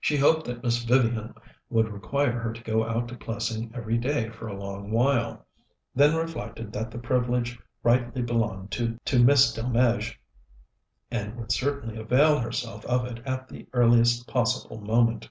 She hoped that Miss Vivian would require her to go out to Plessing every day for a long while; then reflected that the privilege rightly belonged to Miss Delmege, who would certainly avail herself of it at the earliest possible moment.